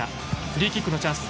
フリーキックのチャンス。